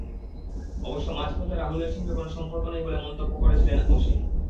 অবশ্য মাঝপথে রাহুলের সঙ্গে কোনো সম্পর্ক নেই বলে মন্তব্য করেছিলেন অসিন।